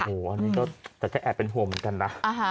โอ้โหอันนี้ก็แต่ก็แอบเป็นห่วงเหมือนกันนะ